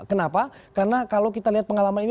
kenapa karena kalau kita lihat pengalaman ini